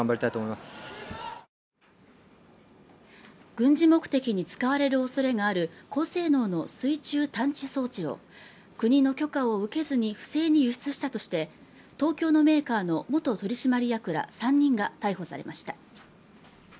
軍事目的に使われるおそれがある高性能の水中探知装置を国の許可を受けずに不正に輸出したとして東京のメーカーの元取締役ら３人が逮捕されました。